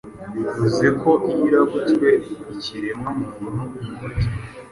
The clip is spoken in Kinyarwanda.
bivuze ko iyo irabutswe ikiremwa muntu imurya